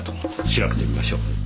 調べてみましょう。